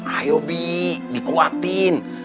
ayo bi dikuatkan